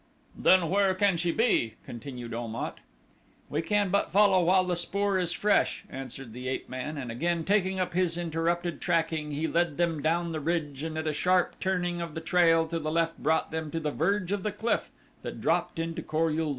"Then where can she be?" continued Om at. "We can but follow while the spoor is fresh," answered the ape man and again taking up his interrupted tracking he led them down the ridge and at a sharp turning of the trail to the left brought them to the verge of the cliff that dropped into the Kor ul lul.